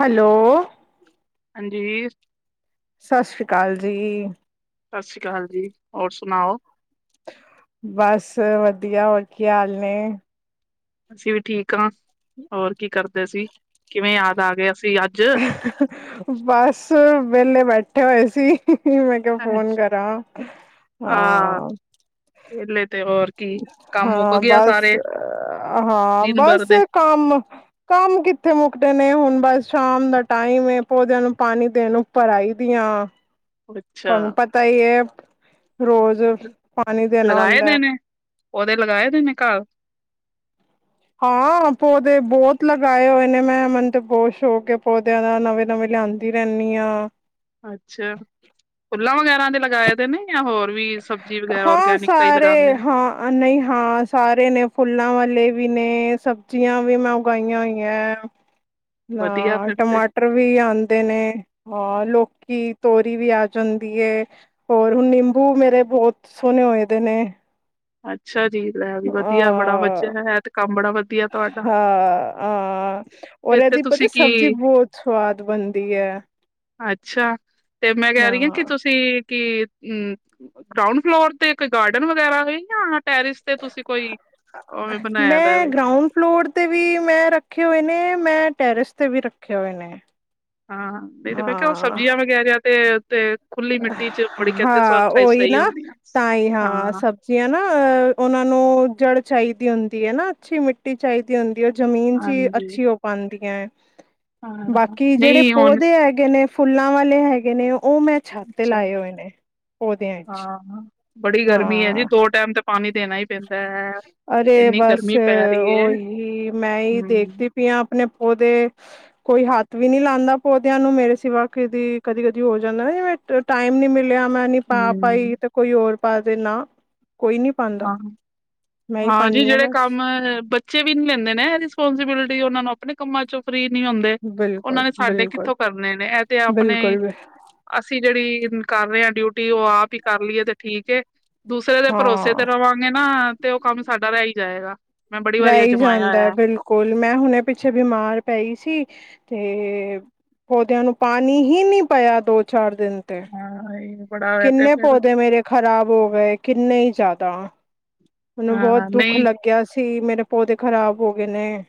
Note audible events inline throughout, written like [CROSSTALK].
Hello. ਹਾਂਜੀ। ਸਤਿ ਸ਼੍ਰੀ ਅਕਾਲ ਜੀ। ਸਤਿ ਸ਼੍ਰੀ ਅਕਾਲ ਜੀ, ਹੋਰ ਸੁਣਾਓ। ਬਸ ਵਧੀਆ, ਹੋਰ ਕੀ ਹਾਲ ਨੇ? ਅਸੀਂ ਵੀ ਠੀਕ ਹਾਂ, ਹੋਰ ਕੀ ਕਰਦੇ ਸੀ, ਕਿਵੇਂ ਯਾਦ ਆ ਗਏ ਅਸੀਂ ਅੱਜ? ਹ ਬਸ ਵਿਹਲੇ ਬੈਠੇ ਹੋਏ ਸੀ, ਮੈਂ। ਫੋਨ ਕਰ ਹਾਂ। ਇਲ ਹੋਰ। ਕੀ ਕੰਮ ਮੁੱਕ ਹਾਂ ਗਿਆ ਬਸ, ਸਾਰੇ ਹਾਂ ਦਿਨ ਭਰ ਬਸ ਦੇ। ਕੰਮ। ਕੰਮ ਕਿੱਥੇ ਮੁੱਕਦੇ ਨੇ, ਹੁਣ ਬਸ ਸ਼ਾਮ ਦਾ ਟਾਈਮ, ਪੌਦਿਆਂ ਨੂੰ, ਪਾਣੀ ਦੇਣ ਉਪਰ ਆਈ ਦੀਆਂ ਆ। ਅੱਛਾ। ਤੁਹਾਨੂੰ ਪਤਾ ਹੀ ਹੈ, ਰੋਜ਼ ਪਾਣੀ ਦੇਣਾ ਹੁੰਦਾ ਹੈ। ਪੋਦੇਂ ਲਗਾਏ ਦੇ ਨੇ ਘਰ? ਹਾਂ ਪੌਦੇ ਬਹੁਤ ਲਗਾਏ ਹੋਏ ਨੇ ਮੈਂ, ਮਨਤੇ ਬਹੁਤ ਸੋਕ ਹੈ ਪੌਦਿਆਂ ਦਾ, ਨਵੇਂ ਨਵੇਂ ਲਿਆਂਦੇ ਦੀ ਰੈਨੀਆਂ। ਅੱਛਾ, ਫੁੱਲਾਂ ਵਗੈਰਾ ਦੇ ਲਗਾਏ ਤੇ ਨੇ? ਜਾਂ ਹੋਰ ਵੀ ਸਬਜ਼ੀ ਵਗੈਰਾ, ਹਾਂ ਔਰਗੈਨਿਕ ਕਈ ਸਾਰੇ ਲਗਾਉਂਦੇ ਨੇ। ਹਾਂ ਨਹੀਂ ਹਾਂ ਸਾਰੇ ਨੇ, ਫੁੱਲਾਂ ਵਾਲੇ ਵੀ ਨੇ, ਸਬਜ਼ੀਆਂ ਵੀ ਮੈਂ ਉਗਾਈਆਂ ਹੋਈਆਂ। ਵਧੀਆ ਨਾ ਫਿਰ ਟਮਾਟੋ ਤੇ, ਟਮਟਰ ਵੀ ਆਉਂਦੇ ਨੇ, ਹਾਂ ਲੋਕੀ-ਤੋਰੀ ਵੀ ਆ ਜਾਂਦੀ ਹੋਰ ਹੁਣ, ਨਿੰਬੂ ਮੇਰੇ ਬਹੁਤ ਸੋਹਣੇ ਹੋਏ ਦੇ ਨੇ। ਅੱਛਾ ਜੀ ਲੈ ਵੀ ਵਧੀਆ ਬੜਾ ਵਧੀਆ ਹਹ, ਹੈ ਤੇ ਕੰਮ ਬੜਾ ਵਧੀਆ ਤੁਹਾਡਾ। ਹਾਂ, ਹਹ ਔਰ ਫਿਰ ਤੇ ਇਹਦੀ ਪਤਾ, ਤੁਸੀਂ ਕੀ ਸਬਜ਼ੀ ਬਹੁਤ ਸਵਾਦ ਬਣਦੀ ਏ। ਅੱਛਾ, ਤੇ ਮੈਂ ਕਹ ਰਹੀ ਹਾਂ ਕਿ, ਤੁਸੀਂ ਕੀ ਹਮ, ਗਰਾਉਂਡ ਫਲੋਰ ਤੇ ਇੱਕ ਗਾਰਡਨ ਵਗੈਰਾ ਹੈ, ਜਾਂ ਟੈਰਿਸ ਤੇ ਤੁਸੀਂ ਕੋਈ, ਓਵੇ ਬਣਾਇਆ ਦਾ ਮੈਂ ਵੇ? ਗਰਾਊਂਡ ਫਲੋਰ ਤੇ ਵੀ ਮੈਂ ਰੱਖੇ ਹੋਏ ਨੇ, ਮੈਂ ਟੈਰਸ ਤੇ ਵੀ ਰੱਖੇ ਹੋਏ ਨੇ। ਹਾਂ, ਨਹੀਂ ਤੇ ਮੈਂ ਕਿਹਾ, ਉਹ ਹਾਂ ਸਬਜ਼ੀਆਂ ਵਗੈਰਾਿਆ ਤੇ ਤੇ, ਖੁੱਲੀ ਮਿੱਟੀ 'ਚ, ਬੜੀ ਹਾਂ ਕਹਿੰਦੇ ਸਹੀ ਹੁੰਦੀਆ, ਹਾਂ। ਜੇ ਹੈ, ਉਹਨਾਂ ਨੂੰ ਜੜ ਚਾਹੀਦੀ ਹੁੰਦੀ ਹੈ ਨਾ, ਅੱਛੀ ਮਿੱਟੀ ਮਿਟੀ ਚਾਹੀਦੀ ਹੁੰਦੀ ਹੈ, ਉਹ ਜ਼ਮੀਨ 'ਚ ਹਾਂਜੀ ਅੱਛੀ ਹੋ ਪਾਉਂਦੀ ਹੈ। ਹਾਂ ਬਾਕੀ, ਜਿਹੜੇ ਨਹੀਂ ਹੁਣ ਪੌਦੇ ਹੈਗੇ ਨੇ ਫੁੱਲਾਂ ਵਾਲੇ ਹੈਗੇ ਨੇ, ਉਹ ਮੈਂ ਛੱਤ ਅੱਛਾ ਲਾਏ ਹੋਏ ਨੇ, ਪੌਦਿਆਂ 'ਚ। ਹਾਂ ਬੜੀ ਗਰਮੀ ਹੈ ਜੀ, ਦੋ ਟਾਈਮ ਤੇ ਪਾਣੀ ਦੇਣਾ ਹੀ ਪੈਂਦਾ ਹੈ। ਅਰੇ ਇੰਨੀ ਬਸ, ਗਰਮੀ ਪੈ ਰਹੀ ਹੈ ਉਹੀ ਮੈਂ ਹੀ ਹਮ ਦੇਖਦੀ ਪਈ ਆਂ, ਆਪਣੇ ਪੌਦੇ ਕੋਈ ਹੱਥ ਵੀ ਨੀ ਲਾਉਂਦਾ, ਪੌਦਿਆਂ ਨੂੰ ਮੇਰੇ ਸਿਵਾ ਕਦੀ, ਕਦੀ-ਕਦੀ ਹੋ ਜਾਂਦਾ ਨਾ, ਜਿਵੇਂ ਟਾਈਮ ਨੀ ਮਿਲਿਆ ਮੈਂ ਨੀ ਪਾ ਹਮ ਪਾਈ, ਤੇ ਕੋਈ ਹੋਰ ਪਾ ਦੇ, ਨਾ, ਕੋਈ ਨੀ ਪਾਉਂਦਾ। ਹਾਂ ਹਾਂ ਜੀ ਜਿਹੜੇ ਕੰਮ, ਬੱਚੇ ਵੀ ਨੀ ਲੈਂਦੇ ਨੇ ਰਿਸਪੋਂਸੀਬਿਲਿਟੀ, ਉਹਨਾਂ ਨੂੰ ਆਪਣੇ ਕੰਮਾਂ 'ਚੋਂ ਫਰੀ ਨਹੀਂ ਹੁੰਦੇ, ਉਹਨਾਂ ਬਿਲਕੁਲ ਨੇ ਸਾਡੇ ਬਿਲਕੁਲ ਕਿੱਥੋਂ ਕਰਨੇ ਨੇ। ਇਹ ਤੇ ਆਪਣੇ ਬਿਲਕੁਲ ਬਿ- ਅਸੀਂ ਜਿਹੜੀ ਕਰ ਰਹੇ ਹਾਂ ਡਿਊਟੀ, ਉਹ ਆਪ ਹੀ ਕਰ ਲਈਏ ਤੇ ਠੀਕ ਏ, ਦੂਸਰੇ ਦੇ ਭਰੋਸੇ ਹਾਂ ਰਵਾਗੇ ਨਾ, ਤੇ ਉਹ ਕੰਮ ਸਾਡਾ ਰਹਿ ਹੀ ਜਾਏਗਾ। ਮੈਂ ਬੜੀ ਵਾਰੀ ਰਹਿ ਹੀ ਅਜਮਾਇਆ ਹੋਇਆ ਜਾਂਦਾ, ਬਿਲਕੁ ਕੁਲ, ਮੈਂ ਹੁਣੇ ਪਿੱਛੇ ਬਿਮਾਰ ਪਈ ਸੀ, ਤੇ ਪੌਦਿਆਂ ਨੂੰ ਪਾਣੀ ਹੀ ਨਹੀਂ ਪਇਆ, ਦੋ-ਚਾਰ ਦਿਨ ਤੇ ਹਾਂ, ਇਹ ਬੜਾ ਹੋਇਆ ਤੇ ਕਿੰਨੇ ਫਿਰ ਪੌਦੇ ਮੇਰੇ ਖ਼ਰਾਬ ਹੋ ਗਏ, ਕਿੰਨੇ ਹੀ ਜ਼ਿਆਦਾ। ਮੈਨੂੰ ਬਹੁਤ ਹਾਂ ਦੁੱਖ ਨਹੀਂ ਲੱਗਿਆ ਸੀ, ਮੇਰੇ ਪੌਦੇ, ਖ਼ਰਾਬ ਹੋ ਗਏ ਨੇ।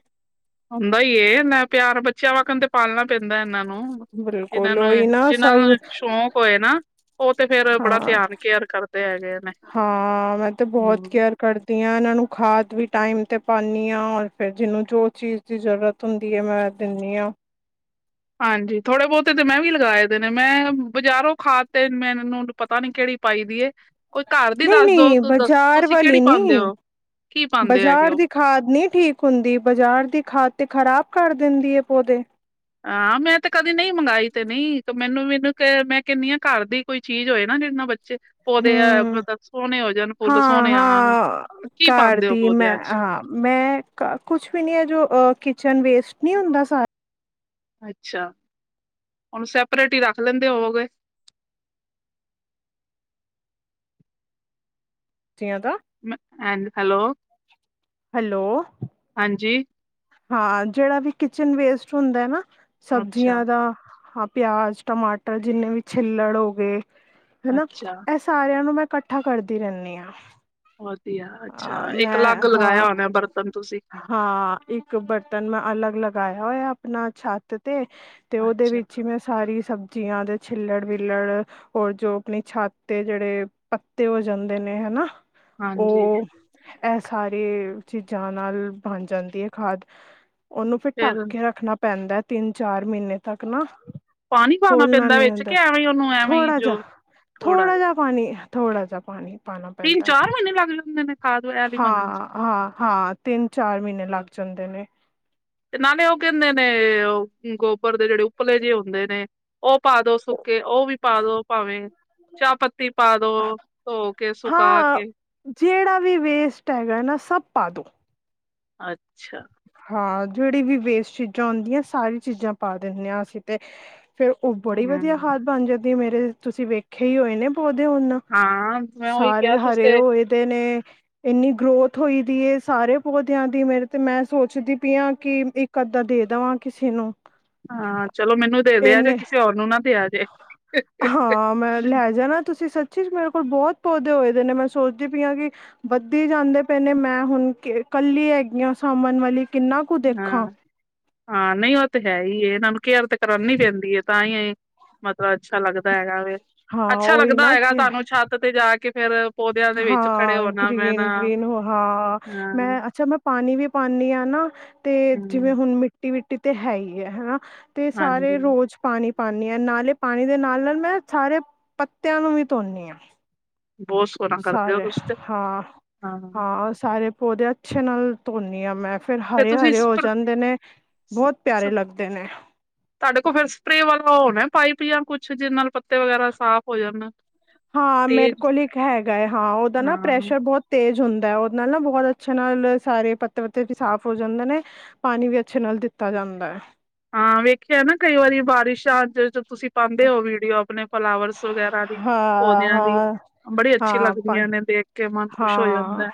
ਹੁੰਦਾ ਈ ਏ, ਇਨਾਂ ਪਿਆਰ, ਬੱਚਿਆਂ ਵਕਨ ਤੇ ਪਾਲਣਾ ਪੈਂਦਾ ਇੰਨਾਂਨ ਜਿਹਨਾਂ ਬਿਲਕੁਲ ਉਹੀ ਨਾ ਨੂੰ, ਸਭ ਇਹ ਸ਼ੌਕ ਹੋਏ ਨਾ ਉਹ ਤੇ ਫੇਰ ਬੜਾ ਹਾਂ ਧਿਆਨ, ਕੇਅਰ ਕਰਦੇ ਹੈਗੇ ਨੇ, ਹਾਂ ਮੈਂ ਤੇ ਬਹੁਤ ਹਮ। ਕੇਅਰ ਕਰਦੀ ਹਾਂ, ਇਹਨਾਂ ਨੂੰ ਖਾਦ ਵੀ ਟਾਈਮ ਤੇ ਪਾਉਂਦੀ ਹਾਂ, ਔਰ ਫਿਰ ਜਿਹਨੂੰ, ਜੋ ਚੀਜ਼ ਜ਼ਰੂਰਤ ਹੁੰਦੀ ਹੈ, ਮੈਂ ਦਿੰਦੀ ਹਾਂ। ਹਾਂਜੀ, ਥੋੜੇ ਬਹੁਤੇ ਤੇ ਮੈਂ ਵੀ ਲਗਾਏ ਦੇ ਨੇ, ਮੈਂ ਬਜ਼ਾਰੋਂ ਖਾਦ ਤੇ, ਮੈਂ ਇਹ ਨੂੰ ਪਤਾ ਨੀ, ਕਿਹੜੀ ਪਾਈ ਦੀ ਏ ਕੋਈ ਘਰ ਦੀ ਨਹੀਂ ਦੱਸ ਨਹੀਂ ਦੋ ਦੱਸ, ਬਾਜ਼ਾਰ ਤੁਸੀਂ ਵਾਲੀ ਕਿਹੜੀ ਪਾਉਦੇ ਨੀ ਹੋ, ਕੀ ਪਾਉਂਦੇ ਹੈਗੇ ਬਾਜ਼ਾਰ ਓ? ਦੀ ਖਾਦ ਨੀ ਠੀਕ ਹੁੰਦੀ ਬਜ਼ਾਰ ਦੀ ਖਾਦ ਤੇ, ਖ਼ਰਾਬ ਕਰ ਦਿੰਦੀ ਐ ਪੌਦੇ ਹਾਂ ਮੈਂ ਤੇ ਕਦੀ ਨਹੀਂ ਮੰਗਾਈ ਤੇ ਨਈ, ਮੈਨੂੰ ਮੈਨੂੰ ਮੈਂ ਕਹਿਨੀ ਆ ਘਰ ਦੀ ਕੋਈ ਚੀਜ਼ ਹੋਏ ਨਾ ਜਿੰਨਾ ਬੱਚੇ ਪੌਦੇ ਆ ਹਮ ਮਤਲਬ ਸੋਹਣੇ ਹੋ ਜਾਣ ਫੁੱਲ ਹਾਂ ਸੋਹਣੇ ਆਣ, ਹਾਂ ਕੀ ਘਰ ਪਾਦੇ ਔ ਦੀ ਮੈਂ ਪੌਦਿਆਂ ਚ਼। ਹਾਂ ਮੈਂ ਕੁਛ ਵੀ ਨੀ ਜੋ ਕਿਚਨ ਵੇਸਟ ਨੀ ਹੁੰਦਾ ਸਾਰਾ। ਅੱਛਾ, ਉਹਨੂੰ ਸੈਪਰੇਟ ਈ ਰੱਖ ਲੈਂਦੇ ਹੋਵੋਗੇ। [UNINTELLIGIBLE] ਦਾ ਹੈਲੋ, ਹੈਲੋ ਹਾਂਜੀ। ਹਾਂ ਜਿਹੜਾ ਵੀ ਕਿਚਨ ਵੇਸਟ ਹੁੰਦਾ ਐ ਨਾ ਅੱਛਾ ਸਬਜ਼ੀਆਂ ਦਾ, ਹਾਂ ਪਿਆਜ। ਟਮਾਟਰ ਜਿੰਨੇ ਵੀ ਛਿੱਲੜ ਹੋ ਗਏ, ਅੱਛਾ ਹਨਾ। ਸਾਰਿਆਂ ਨੂੰ ਮੈਂ ਇਕੱਠਾ ਕਰਦੀ ਰਹਿੰਦੀ ਆ। ਵਧੀਆ, ਅੱਛਾ ਇੱਕ ਅਲੱਗ ਲਗਾਇਆ ਹਾਂ ਹੋਣਾ ਬਰਤਨ ਤੁਸੀਂ। ਹਾਂ, ਇੱਕ ਬਰਤਨ ਮੈਂ ਅਲੱਗ ਲਗਾਇਆ ਹੋਇਆ ਆਪਣਾ ਛੱਤ ਤੇ ਤੇ ਉਹਦੇ ਅੱਛਾ ਵਿੱਚ ਈ ਮੈਂ ਸਾਰੀ ਸਬਜ਼ੀਆਂ ਦੇ ਛਿੱਲੜ ਵਿਲੜ ਹੋਰ ਜੋ, ਆਪਣੀ ਛੱਤ ਤੇ ਜਿਹੜੇ ਪੱਤੇ ਹੋ ਜਾਂਦੇ ਨੇ ਹਨਾ। ਹਾਂਜੀ, ਉਹ ਇਹ ਸਾਰੇ ਚੀਜ਼ਾਂ ਨਾਲ ਬਣ ਜਾਂਦੀ ਐ ਖਾਦ, ਉਹਨੂੰ ਫਿਰ, ਢੱਕ ਫੇਰ ਕੇ ਰੱਖਣਾ ਪੈਂਦਾ ਤਿੰਨ ਚਾਰ ਮਹੀਨੇ ਤੱਕ ਨਾ। ਪਾਣੀ ਪਾਉਣਾ ਖੋਲਣਾ ਪੈਂਦਾ ਨੀ ਵਿੱਚ ਆਦਾ, ਕਿ ਐਵੇਂ ਉਹਨੂੰ ਐਵੇਂ ਹੀ ਥੋੜਾ ਜਾ ਜੋ ਥੋੜਾ ਜਾ। ਪਾਣੀ ਥੋੜਾ ਜਾ ਪਾਣੀ ਤੀਨ-ਚਾਰ ਮਹੀਨੇ ਲਗ ਜਾਂਦੇ ਨੇ? ਖਾਦ ਐਲੀ ਬਣਨ ਚ ਹਾਂ-ਹਾਂ-ਹਾਂ ਤਿੰਨ ਚਾਰ ਮਹੀਨੇ ਲੱਗ ਜਾਂਦੇ ਨੇ। ਤੇ ਨਾਲੇ ਉਹ ਕਹਿੰਦੇ ਨੇ, ਗੋਬਰ ਦੇ ਜਿਹੜੇ ਉੱਪਲੇ ਜੇ ਹੁੰਦੇ ਨੇ ਉਹ ਪਾ ਦੋ ਸੁੱਕੇ ਉਹ ਵੀ ਪਾਦੋ ਭਾਵੇਂ, ਚਾਹ ਪੱਤੀ ਪਾਦੋ ਧੋ ਕੇ ਸੁਕਾ ਹਾਂ ਕੇ। ਜਿਹੜਾ ਵੀ ਵੇਸਟ ਹੈਗਾ ਨਾ, ਸਭ ਪਾ ਦਉ। ਅੱਛਾ। ਹਾਂ ਜਿਹੜੀ ਵੀ ਵੇਸਟ ਚੀਜ਼ਾਂ ਹੁੰਦੀਆਂ, ਸਾਰੀ ਚੀਜ਼ਾਂ ਪਾ ਦਿਨੇ ਆ ਅਸੀਂ ਤੇ। ਫੇਰ ਉਹ ਬੜੀ ਵਧੀਆ ਹਮ ਖਾਦ ਬਣ ਜਾਂਦੀ ਮੇਰੇ ਤੁਸੀਂ ਵੇਖੇ ਈ ਹੋਏ ਨੇ ਪੌਦੇ ਹੁਣ। ਹਾਂ ਮੈਂ ਉਹੀ ਸਾਰੇ ਕਿਹਾ ਤੁਸੀਂ ਹਰੇ ਹੋਏ ਤੇ ਨੇ, ਇੰਨੀ ਗਰੋਥ ਹੋਈ ਦੀ ਸਾਰੇ ਪੌਦਿਆਂ ਦੀ ਮੇਰੇ ਤੇ ਮੈਂ ਸੋਚਦੀ ਪਈ ਆ ਕਿ, ਇੱਕ ਅੱਧਾ ਦੇ ਦੇਵਾਂ ਕਿਸੇ ਨੂੰ। ਹਾਂ ਚਲੋ, ਮੈਨੂੰ ਦਿਆ ਜੇ ਇੰਨੇ ਕਿਸੇ ਹੋਰ ਨੂੰ ਨਾ ਦੇਆ ਜੇ। ਹਾਂ, ਮੈਂ ਲੈ ਜਾਣਾ ਤੁਸੀਂ ਸ ਚੀਜ ਮੇਰੇ ਕੋਲ ਬੋਤ ਪੌਦੇ ਹੋਏ ਦੇ ਨੇ, ਮੈਂ ਸੋਚਦੀ ਪਈ ਆ ਕਿ ਵੱਧੀ ਜਾਂਦੇ ਪਏ ਨੇ, ਮੈਂ ਹੁਣ ਕੱਲੀ ਹੈਗੀ ਆ ਸਾਮਣ ਵਾਲੀ ਕਿੰਨਾ ਕੁ ਹਾਂ ਦੇਖਾਂ। ਹਾਂ, ਨਹੀਂ ਉਹ ਤੇ ਹੈ ਈ ਐ ਇਹਨਾਂ ਨੂੰ ਕੇਅਰ ਤੇ ਕਰਾਨੀ ਪੈਂਦੀ ਐ, ਤਾਂਈ ਐ ਮਤਲਬ ਅੱਛਾ ਲੱਗਦਾ ਹੈਗਾ ਵੇ, ਹਾਂ ਅੱਛਾ ਉਹੀ ਲੱਗਦਾ ਨਾ ਹੋਏਗਾ ਕਿ ਤੁਹਾਨੂੰ ਛੱਤ ਤੇ ਜਾ ਕੇ ਫੇਰ? ਪੌਦਿਆਂ ਦੇ ਵਿੱਚ ਖੜੇ ਹਾਂ ਹੋਣਾ ਬਹਿਣਾ ਗ੍ਰੀਨ-ਗ੍ਰੀਨ ਹੋਰ ਹਾਂ, ਹਾਂ ਮੈਂ ਅੱਛਾ ਮੈਂ ਪਾਣੀ ਵੀ ਪਾਨੀ ਆ ਨਾ ਤੇ, ਜਿਵੇਂ ਹਮ ਹੁਣ ਮਿੱਟੀ-ਵਿੱਟੀ ਤੇ ਹੈ ਈ ਐ ਹਨਾ? ਤੇ ਹਾਂਜੀ ਸਾਰੇ ਰੋਜ਼ ਪਾਣੀ ਪਾਨੀ ਆ, ਨਾਲੇ ਪਾਣੀ ਦੇ ਨਾਲ-ਨਾਲ ਮੈਂ ਸਾਰੇ ਪੱਤਿਆਂ ਨੂੰ ਵੀ ਧੋਂਨੀ ਆ। ਬੋਸ ਸਾਰੇ ਹਾਂ, ਹਾਂ ਸਾਰੇ ਪੌਦੇ ਅੱਛੇ ਨਾਲ ਧੋਂਨੀ ਆ ਮੈਂ। ਫਿਰ ਫੇਰ ਤੁਸੀਂ ਹਰੇ-ਹਰੇ ਹੋ ਸਪਰ ਜਾਂਦੇ ਨੇ, ਬੋਤ ਪਿਆਰੇ ਲੱਗਦੇ ਨੇ। ਤੁਹਾਡੇ ਕੋਲ ਫਿਰ ਸਪਰੇ ਵਾਲਾ ਉਹ ਹੋਣਾ ਪਾਈਪ ਜਾਂ ਕੁਛ, ਜਿਹਦੇ ਨਾਲ ਪੱਤੇ ਵਗੈਰਾ ਸਾਫ਼ ਹੋ ਜਾਣ। ਹਾਂ, ਮੇਰੇ ਤੇਜ਼ ਕੋਲ ਇੱਕ ਹੈਗਾ। ਹਾਂ, ਉਹਦਾ ਨਾ ਹਾਂ ਪ੍ਰੈਸ਼ਰ ਬਹੁਤ ਤੇਜ਼ ਹੁੰਦਾ ਹੈ। ਉਹਦੇ ਨਾਲ ਨਾ ਬਹੁਤ ਅੱਛੇ ਨਾਲ ਸਾਰੇ ਪੱਤੇ ਪੱਤੇ ਵੀ ਸਾਫ਼ ਹੋ ਜਾਂਦੇ ਨੇ। ਪਾਣੀ ਵੀ ਅੱਛੇ ਨਾਲ ਦਿੱਤਾ ਜਾਂਦਾ ਹੈ। ਹਾਂ, ਵੇਖਿਆ ਨਾ ਕਈ ਵਾਰੀ ਬਾਰਿਸ਼ ਆਜੇ ਤੇ ਤੁਸੀਂ ਪਾਂਦੇ ਹੋ ਵੀਡੀਓ, ਆਪਣੇ ਫਲਾਵਰਸ ਵਗੈਰਾ ਦੀ ਹਾਂ ਪੌਦਿਆਂ ਦੀ ਹਾਂ ਬੜੀ ਅੱਛੀ ਹਾਂ ਪੰ ਲੱਗਦੀਆਂ ਨੇ ਦੇਖ ਕੇ, ਮਨ ਖੁਸ਼ ਹੋ ਹਾਂ ਜਾਂਦਾ ਹੈ।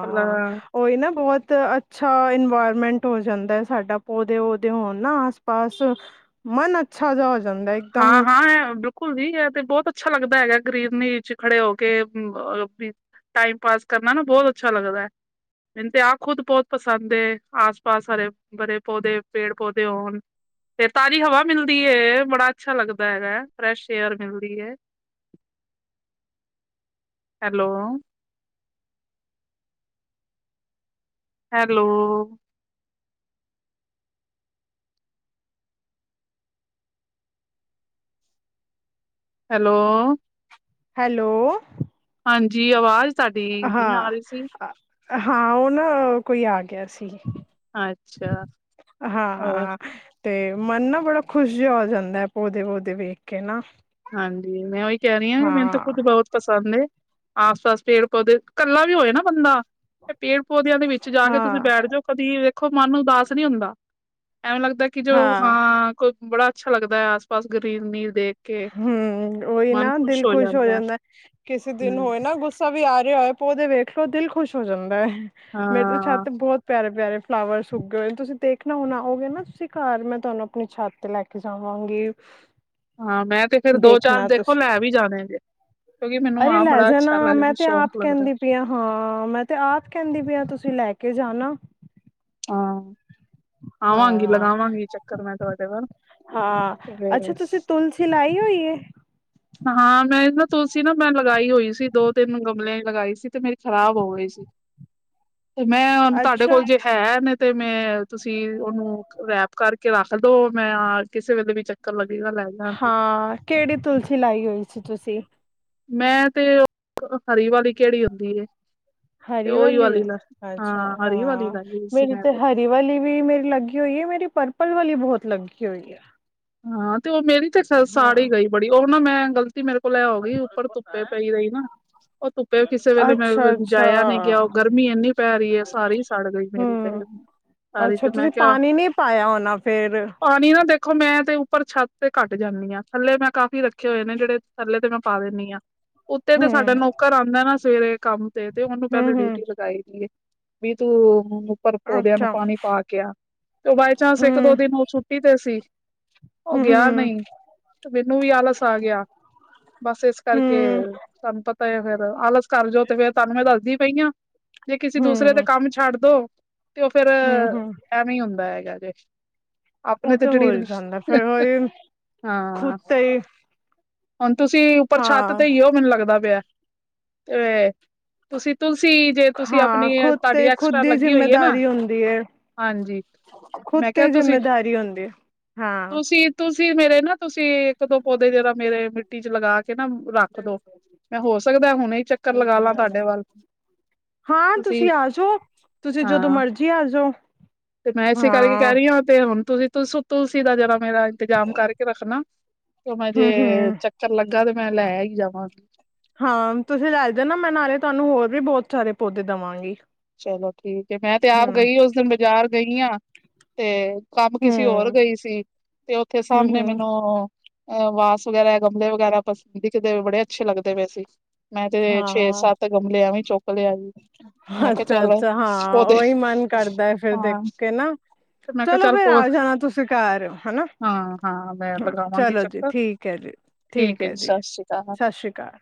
ਪਲ ਉਹੀ ਨਾ ਬਹੁਤ ਅੱਛਾ ਇਨਵਾਇਰਮੈਂਟ ਹੋ ਜਾਂਦਾ ਸਾਡਾ ਪੌਦੇ -ਪੌਦੇ ਹੋਣ ਨਾ ਆਸ-ਪਾਸ। ਮਨ ਅੱਛਾ ਜਿਹਾ ਹੋ ਜਾਂਦਾ ਏ। ਹਾਂ-ਹਾਂ ਘੁੱਲਦੀ ਹੈ ਤੇ, ਬਹੁਤ ਅੱਛਾ ਲੱਗਦਾ ਹੈਗਾ ਗ੍ਰੀਨਰੀ'ਚ ਖੜੇ ਹੋ ਕੇ। ਟਾਈਮ ਪਾਸ ਕਰਨਾ ਨਾ ਬੋਤ ਅੱਛਾ ਲੱਗਦਾ। ਮੈਨੂੰ ਤੇ ਆਪ ਖੁਦ ਬੋਤ ਪਸੰਦ ਏ, ਆਸ ਪਾਸ ਸਾਰੇ ਬੜੇ ਪੌਦੇ, ਪੇੜ-ਪੌਦੇ ਹੋਣ ਫੇਰ ਤਾਜ਼ੀ ਹਵਾ ਮਿਲਦੀ ਹੈ। ਬੜਾ ਅੱਛਾ ਲੱਗਦਾ ਹੈਗਾ, ਫਰੈਸ਼ ਏਅਰ ਮਿਲਦੀ ਹੈ। ਹੈਲੋ ਹੈਲੋ ਹੈਲੋ ਹੈਲੋ ਹਾਂਜੀ, ਆਵਾਜ਼ ਤੁਹਾਡੀ ਨਹੀਂ ਆ ਹਾਂ, ਰਹੀ ਸੀ ਹਾਂ ਉਹ ਨਾ ਕੋਈ ਆ ਗਿਆ ਸੀ। ਅੱਛਾ ਹੋਰ ਹਾਂ, ਤੇ ਮਨ ਨਾ ਬੜਾ ਖੁਸ਼ ਜਿਹਾ ਹੋ ਜਾਂਦਾ ਹੈ, ਪੌਦੇ-ਪੌਦੇ ਵੇਖ ਕੇ ਨਾ। ਹਾਂਜੀ, ਮੈਂ ਉਹੀ ਕਹਿ ਰਹੀ ਹਾਂ। ਮੈਨੂੰ ਤਾਂ ਖੁਦ ਬਹੁਤ ਪਸੰਦ ਏ ਆਸ ਪਾਸ ਪੇੜ ਪੌਦੇ ਇਕੱਲਾ ਵੀ ਹੋਏ ਨਾ ਬੰਦਾ ਤੇ ਪੇੜ ਪੌਦਿਆਂ ਦੇ ਵਿੱਚ ਜਾ ਕੇ ਤੁਸੀਂ ਹਾਂ ਬੈਠ ਜਾਓ ਕਦੀ ਦੇਖੋ ਮਨ ਨੂੰ ਉਦਾਸ ਨਹੀਂ ਹੁੰਦਾ ਐਵੇਂ ਲੱਗਦਾ ਕਿ ਜੋ ਹਾਂ ਕੋਈ ਬੜਾ ਅੱਛਾ ਲੱਗਦਾ ਹੈ ਆਸ ਪਾਸ ਗਰੀਨ ਰੀਦੇ ਦੇਖ ਕੇ ਹਮ ਉਹੀ ਨਾ ਦਿਲ ਖੁਸ਼ ਹੋ ਜਾਂਦਾ ਕਿਸੇ ਦਿਨ ਹਮ ਹੋਏ ਨਾ ਗੁੱਸਾ ਵੀ ਆ ਰਿਹਾ ਹੋਏ ਪੋਦੇ ਵੇਖ ਲਓ ਦਿਲ ਖੁਸ਼ ਹੋ ਜਾਂਦਾ ਹੈ ਮੇਰੀ ਹਾਂ ਛੱਤ ਬਹੁਤ ਪਿਆਰੇ ਪਿਆਰੇ ਫਲਾਵਰਸ ਉਗੇ ਹੋਏ ਤੁਸੀਂ ਦੇਖਣਾ ਹੋਣ ਆਓਗੇ ਨਾ ਤੁਸੀਂ ਘਰ ਮੈਂ ਤੁਹਾਨੂੰ ਆਪਣੀ ਛੱਤ ਤੇ ਲੈ ਕੇ ਕੇ ਜਾਵਾਂਗੇ ਹਾਂ ਮੈਂ ਤੇ ਫੇਰ ਦੋ ਚਾਰ ਦੇਖੋ ਤੁਸੀਂ ਲੈ ਵੀ ਜਾਣੇਜੇ ਕਿਉਂਕਿ ਮੈਨੂੰ ਅਰੇ ਆਪ ਲੈ ਬੜਾ ਅੱਛਾ ਜਾਣਾ ਮੈਂ ਲੱਗਦਾ ਤੇ ਆਪ ਸ਼ੌਂਕ ਲੱਗਦਾ ਕਹਿੰਦੀ ਹਾਂ ਮੈਂ ਤੇ ਆਪ ਕਹਿੰਦੀ ਵੀ ਆ ਤੁਸੀਂ ਲੈ ਕੇ ਜਾਣਾ ਹਾਂ ਆਵਾਂਗੀ ਹਾਂ ਲਗਾ ਵਾਂਗੀ ਚੱਕਰ ਮੈਂ ਤੁਹਾਡੇ ਵਾਰ ਹਾਂ ਅੱਛਾ ਤੁਸੀਂ ਤੁਲਸੀ ਲਾਈ ਹੋਈਏ ਹਾਂ ਮੈਂ ਨਾ ਤੁਲਸੀ ਨਾ ਮੈਂ ਲਗਾਈ ਹੋਈ ਸੀ ਦੋ ਤਿੰਨ ਗਮਲਿਆਂ ਚ ਲਗਾਈ ਸੀ ਤੇ ਮੇਰੀ ਖ਼ਰਾਬ ਹੋ ਗਈ ਸੀ ਤੇ ਮੈਂ ਤੁਹਾਡੇ ਅੱਛਾ ਕੋਲ ਜੇ ਹੈ ਨੇ ਤੇ ਮੈਂ ਤੁਸੀਂ ਉਹਨੂੰ ਰੈਪ ਕਰਕੇ ਰੱਖਦੋ ਮੈਂ ਕਿਸੇ ਵੇਲੇ ਵੀ ਚਕਰ ਲੱਗੇਗਾ ਲੈ ਜਾਵਾਂਗੀ ਹਾਂ ਕਿਹੜੀ ਤੁਲਸੀ ਲਾਈ ਹੋਈ ਸੀ ਤੁਸੀਂ ਮੈਂ ਤੇ ਓ ਹਰੀ ਵਾਲੀ ਕਿਹੜੀ ਹੁੰਦੀ ਤੇ ਉਹੀ ਵਾਲੀ ਦਾ ਹਾਂ ਹਰੀ ਵਾਲੀ ਲਾਈ ਸੀ ਮੈਂ ਤੇ ਏ ਵਾਲੀ ਵੀ ਮੇਰੀ ਲੱਗੀ ਹੋਈ ਹੈ, ਮੇਰੀ ਪਰਪਲ ਵਾਲੀ ਬਹੁਤ ਲੱਗੀ ਹੋਈ ਏ। ਹਾਂ ਤੇ ਉਹ ਮੇਰੀ ਤੇ ਸਾੜ ਹੀ ਗਈ ਬੜੀ ਉਹ ਨਾ ਮੈਂ ਗਲਤੀ ਤੀ ਮੇਰੇ ਕੋਲ ਏ ਹੋ ਗਈ ਉੱਪਰ ਧੁੱਪੇ ਪਈ ਰਈ ਨਾ। ਉਹ ਧੁੱਪੇ ਕਿਸੇ ਵੇਲੇ ਅੱਛਾ ਮ ਅੱਛਾ ਜਾਇਆ ਨੀ ਗਿਆ ਉਹ ਗਰਮੀ ਇੰਨੀ ਪੈ ਰਹੀ ਹੈ ਸਾਰੀ ਸੜ ਗਈ ਮੇਰੀ ਤੇ ਹਮ ਸਾਰੀ ਅੱਛਾ ਤੇ ਮੈਂ ਤੁਸੀਂ ਕਿਹਾ ਪਾਣੀ ਨਹੀਂ ਪਾਇਆ ਹੋਣਾ ਫਿਰ ਪਾਣੀ ਨਾ ਦੇਖੋ ਮੈਂ ਤੇ ਉੱਪਰ ਛੱਤ ਤੇ ਘੱਟ ਜਾਂਦੀ ਹਾਂ ਥੱਲੇ ਮੈਂ ਕਾਫ਼ੀ ਰੱਖੇ ਹੋਏ ਨੇ ਜਿਹੜੇ ਥੱਲੇ ਤੇ ਮੈਂ ਪਾ ਦਿੰਦੀ ਹਾਂ। ਉੱਤੇ ਤੇ ਸਾਡਾ ਹਮ ਨੌਕਰ ਆਉਂਦਾ ਨਾ ਸਵੇਰੇ ਕੰਮ ਤੇ ਤੇ ਉਹਨੂੰ ਪਹਿਲੇ ਹਮ ਹਮ ਡਿਊਟੀ ਲਗਾਈ ਦੀਏ। ਬੀ ਤੂੰ ਓਹਨੂੰ ਉੱਪਰ ਪੌਦਿਆਂ ਨੂੰ ਅੱਛਾ ਪਾਣੀ ਪਾ ਕੇ ਆ ਤੇ ਉਹ ਬਾਈ ਚਾਂਸ ਇਕ ਦੋ ਹਮ ਦਿਨ ਉਹ ਛੁੱਟੀ ਤੇ ਸੀ। ਉਹ ਹਮ ਗਿਆ ਹਮ ਨਹੀਂ ਤੇ ਮੈਨੂੰ ਵੀ ਆਲਸ ਆ ਗਿਆ ਬਸ ਇਸ ਕਰਕੇ ਹਮ ਤੁਹਾਨੂੰ ਪਤਾ ਫਿਰ ਆਲਸ ਕਰ ਜੋੋ ਤੇ ਫਿਰ ਤੁਹਾਨੂੰ ਮੈਂ ਦੱਸਦੀ ਪਈ ਹਾਂ। ਜੇ ਕਿਸੇ ਦੂਸਰੇ ਦੇ ਹਮ ਕੰਮ ਛੱਡ ਦੋ ਤੇ ਉਹ ਫਿਰ ਹਮ ਹਮ ਐਵੇਂ ਹੀ ਹੁੰਦਾ ਹੈਗਾ ਜੇ ਉਹ ਆਪਣੇ ਤੇ ਤਾਂ ਹੋ ਜਿਹੜੀ ਹੀ ਜਾਂਦਾ ਫਿਰ ਉਹਹੀ ਹਾਂ ਖੁਦ ਤੇ ਹੀ ਹੁਣ ਤੁਸੀਂ ਉੱਪਰ ਛੱਤ ਹਾਂ ਤੇ ਹੀਓ ਮੈਨੂੰ ਲੱਗਦਾ ਪਿਆ ਤੇ ਤੁਸੀਂ ਤੁਲਸੀ ਜੇ ਹਾਂ ਆਪਣੀ ਖੁਦ ਤੁਹਾਡੀ ਤੇ ਖੁਦ ਐਕਸਟਰਾ ਦੀ ਲੱਗੀ ਹੋਈ ਹੈ ਨਾ। ਜਿੰਮੇਦਾਰੀ ਹੁੰਦੀ ਹੈ ਹਾਂਜੀ। ਖੁਦ ਮੈਂ ਕਿਹਾ ਤੇ ਤੁਸੀਂ ਜਿੰਮੇਦਾਰੀ ਹੁੰਦੀ ਹੈ। ਹਾਂ ਤੁਸੀਂ ਤੁਸੀਂ ਮੇਰੇ ਨਾ ਤੁਸੀਂ ਇੱਕ ਦੋ ਪੌਦੇ ਜਰਾ ਮਿੱਟੀ 'ਚ ਲਗਾ ਕੇ ਨਾ ਰੱਖ ਦੋ ਮੈਂ ਹੋ ਸਕਦਾ ਹੁਣੇ ਹੀ ਚੱਕਰ ਲਗਾ ਲਾ ਤੁਹਾਡੇ ਵੱਲ। ਹਾਂ। ਤੁਸੀਂ ਆ ਜਾਓ ਤੁਸੀਂ ਜਦੋਂ ਹਾਂ ਮਰਜ਼ੀ ਆ ਜਾਓ। ਤੇ ਮੈਂ ਇਸੇ ਕਰਕੇ ਕਹਿ ਰਹੀ ਹਾਂ ਤੇ ਹੁਣ ਤੁਸੀਂ ਤੁਸ ਤੁਲਸੀ ਦਾ ਜਰਾ ਮੇਰਾ ਇੰਤਜ਼ਾਮ ਕਰਕੇ ਰੱਖਣਾ ਭਾਵਾਂ ਜੇ ਹੂੰ ਹੂੰ ਚੱਕਰ ਲੱਗਾ ਤੇ ਮੈਂ ਲੈ ਹੀਈ ਜਾਵਾਂਗੀ। ਹਾਂ ਤੁਸੀਂ ਲੈ ਜਾਨਾ ਮੈਂ ਨਾਲੇ ਤੁਹਾਨੂੰ ਹੋਰ ਵੀ ਬਹੁਤ ਸਾਰੇ ਪੌਦੇ ਦੇਵਾਂਗੀ। ਚਲੋ ਠੀਕ ਹੈ ਮੈਂ ਤੇ ਹੂੰ ਆਪ ਗਈ ਉਸ ਦਿਨ ਬਾਜ਼ਾਰ ਗਈ ਹਾਂ। ਤੇ ਕੰਮ ਕਿਸੇ ਹੋਰ ਹੂੰ ਗਈ ਸੀ, ਤੇ ਓਥੇ ਹੂੰ ਸਮਣੇ ਹੂੰ ਮੈਨੂੰ ਅ ਵਾਸ ਵਗੈਰਾ ਗਮਲੇ ਵਗੈਰਾ ਪਸੰਦੀ ਕਿਦੇ ਬੜੇ ਅੱਛੇ ਲੱਗਦੇ ਪਏ ਸੀ। ਮੈਂ ਤੇ ਹਾਂ ਛੇ-ਸੱਤ ਗਮਲੇ ਆਂ ਵੀ ਚੁੱਕ ਲੈ ਆਈ। ਮੈਂ ਕਿਹਾ ਅੱਛਾ ਚੱਲ ਅੱਛਾ ਹਾਂ ਪੌਦੇ ਉਹੀ ਮਨ ਕਰਦਾ ਹੈ ਫਿਰ ਦੇਖ ਹਾਂ ਕੇ ਨਾ ਤੇ ਮੈਂ ਕਿਹਾ ਚਲੋ ਚੱਲ ਫਿਰ ਪ ਆ ਜਾਣਾ ਤੁਸੀਂ ਘਰ ਹਨਾ ਹਾਂ ਹਾਂ ਮੈਂ ਲਗਾਵਾਂਗੀ ਚਲੋ ਜੀ ਚੱਕਰ। ਹੈ ਜੀ ਠੀਕ ਠੀਕ ਹੈ ਜੀ ਸਤਿ ਸ਼੍ਰੀ ਅਕਾਲ। ਸਤਿ ਸ਼੍ਰੀ ਅਕਾਲ